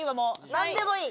なんでもいい。